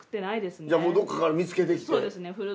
じゃあどっかから見つけてきて？